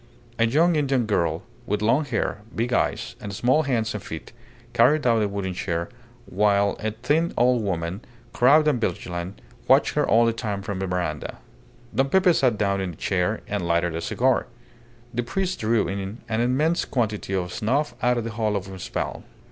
A young Indian girl with long hair, big eyes, and small hands and feet, carried out a wooden chair, while a thin old woman, crabbed and vigilant, watched her all the time from the verandah. Don Pepe sat down in the chair and lighted a cigar; the priest drew in an immense quantity of snuff out of the hollow of his palm.